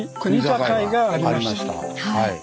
はい。